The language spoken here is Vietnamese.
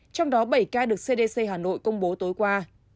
trong đó bảy ca được cdc hà nội công bố tối qua